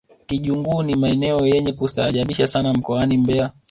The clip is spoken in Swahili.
kijunguu ni maeneo yenye kustaajabisha sana mkoani mbeya